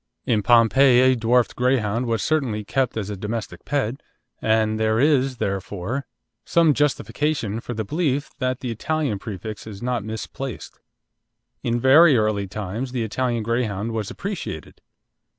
In Pompeii a dwarfed Greyhound was certainly kept as a domestic pet, and there is therefore some justification for the belief that the Italian prefix is not misplaced. In very early times the Italian Greyhound was appreciated.